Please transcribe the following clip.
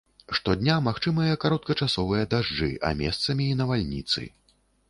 Штодня магчымыя кароткачасовыя дажджы, а месцамі і навальніцы.